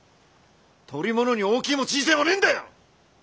捕り物に大きいも小さいもねえんだよ！